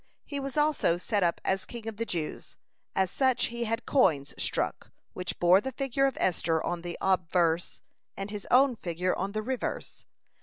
He was also set up as king of the Jews. As such he had coins struck, which bore the figure of Esther on the obverse, and his own figure on the reverse.